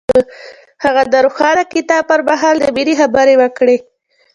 هغه د روښانه کتاب پر مهال د مینې خبرې وکړې.